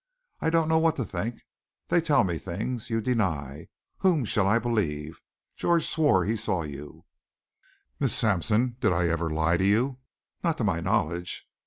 "I don't know what to think. They tell me things. You deny. Whom shall I believe? George swore he saw you." "Miss Sampson, did I ever lie to you?" "Not to my knowledge."